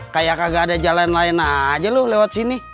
kayak kagak ada jalan lain aja loh lewat sini